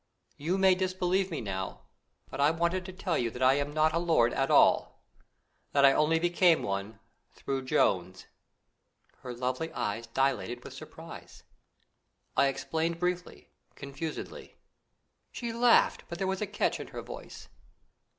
You may disbelieve me now; but I wanted to tell you that I am not a lord at all, that I only became one through Jones." Her lovely eyes dilated with surprise. I explained briefly, confusedly. She laughed, but there was a catch in her voice.